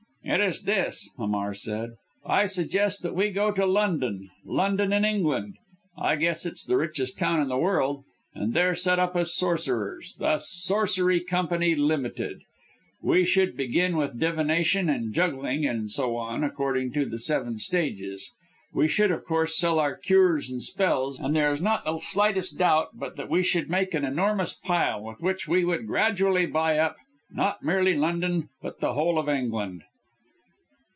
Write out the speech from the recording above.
"It is this," Hamar said, "I suggest that we go to London London in England I guess it's the richest town in the world and there set up as sorcerers The Sorcery Company Ltd. We should begin with divination and juggling, and go on, according to the seven stages. We should of course sell our cures and spells, and there is not the slightest doubt but that we should make an enormous pile, with which we would gradually buy up, not merely London, but the whole of England."